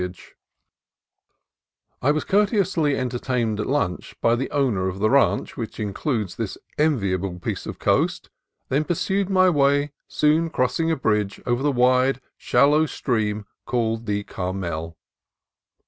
THE MISSION OF SAN CARLOS 215 I was courteously entertained at lunch by the owner of the ranch which includes this enviable piece of coast, and then pursued my way, soon cross ing a bridge over the wide, shallow stream called the Carmel.